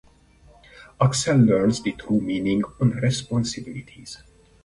Axel learns the true meaning on responsibilities.